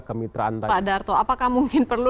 kemitraan pak darto apakah mungkin perlu